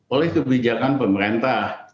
oleh kebijakan pemerintah